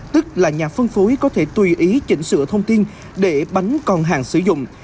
tức là nhà phân phối có thể tùy ý chỉnh sửa thông tin để bánh còn hàng sử dụng